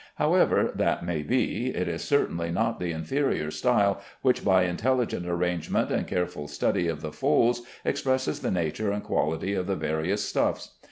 However that may be, it is certainly not the inferior style which by intelligent arrangement and careful study of the folds expresses the nature and quality of the various stuffs.